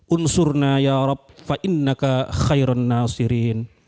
unsurna ya rab fa'innaka khairan nasirin